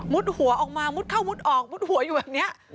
หัวออกมามุดเข้ามุดออกมุดหัวอยู่แบบนี้